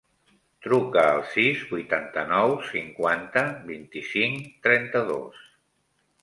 Truca al sis, vuitanta-nou, cinquanta, vint-i-cinc, trenta-dos.